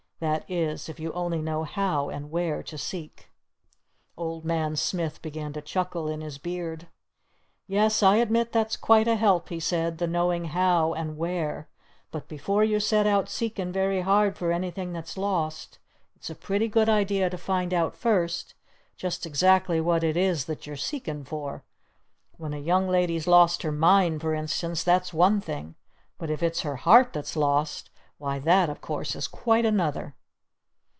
"That is if you only know How and Where to seek." Old Man Smith began to chuckle in his beard. "Yes, I admit that's quite a help," he said, "the knowing How and Where! But before you set out seekin' very hard for anything that's lost it's a pretty good idea to find out first just exactly what it is that you're seekin' for! When a young lady's lost her mind, for instance, that's one thing! But if it's her heart that's lost, why, that, of course, is quite another!"